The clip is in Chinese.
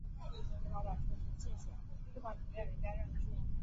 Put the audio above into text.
淄川区是中国山东省淄博市所辖的一个市辖区。